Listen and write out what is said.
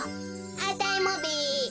あたいもべ。